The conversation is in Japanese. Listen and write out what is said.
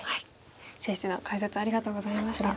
謝七段解説ありがとうございました。